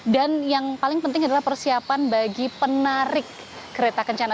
dan yang paling penting adalah persiapan bagi penarik kereta kencana